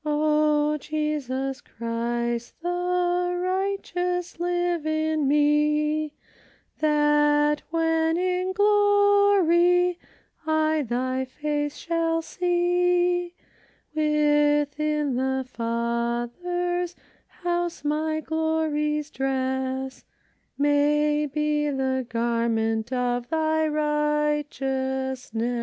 " O Jesus Christ the righteous ! live in me, That, when in glory I thy face shall see. Within the Father's house, my glorious dress May be the garment of thy righteousness.